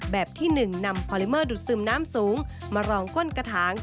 แบบที่๑นำพอลิเมอร์ดูดซึมน้ำสูงมารองก้นกระถาง